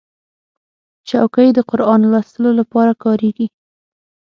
چوکۍ د قرآن لوستلو لپاره کارېږي.